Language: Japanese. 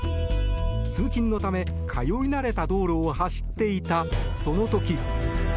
通勤のため通い慣れた道路を走っていたその時。